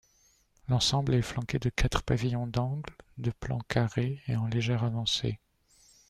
L’ensemble est flanqué de quatre pavillons d’angle de plan carré et en légère avancée.